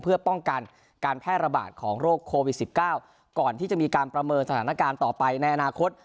เพื่อป้องกันการแพร่ระบาดของโรคโควิด๑๙ก่อนที่จะมีการประเมินสถานการณ์ต่อไปในอนาคต